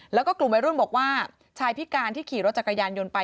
แล้วก็กลุ่มวัยรุ่นบอกว่าชายพิการที่ขี่รถจักรยานยนต์ไป